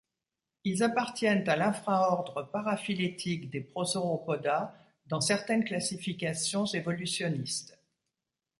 Ils appartiennent à l'infra-ordre paraphylétique des Prosauropoda dans certaines classifications évolutionnistes.